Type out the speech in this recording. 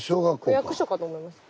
区役所かと思いました。